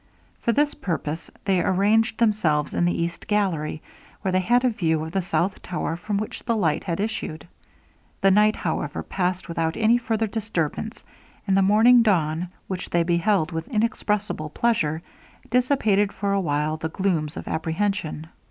For this purpose they arranged themselves in the east gallery, where they had a view of the south tower from which the light had issued. The night, however, passed without any further disturbance; and the morning dawn, which they beheld with inexpressible pleasure, dissipated for a while the glooms of apprehension.